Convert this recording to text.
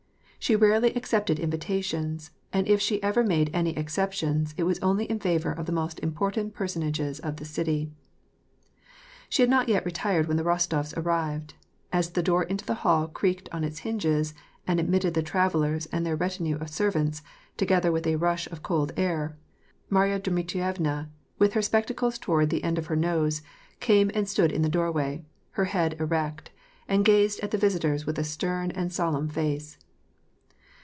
She rarely accepted invitations, and if she ever made any exceptions it was only in* favor of the most important person ages of the city. She had not yet retired when the Rostofs arrived ; as the door into the hall creaked on its hinges, and admitted the trav ellers and their retinue of servants, together with a rush of cold air, Marya Dmitrievna, with her spectacles toward the end of her nose, came and stood in the doorway, her head erect, and gazed at the visitors with a stem and solemn face.